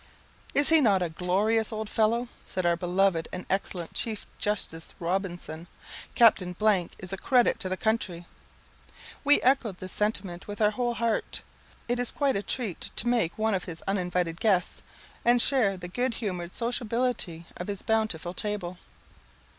"Is he not a glorious old fellow?" said our beloved and excellent chief justice Robinson; "Captain is a credit to the country." We echoed this sentiment with our whole heart. It is quite a treat to make one of his uninvited guests, and share the good humoured sociability of his bountiful table.